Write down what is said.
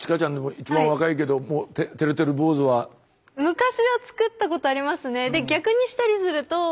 昔は作ったことありますね。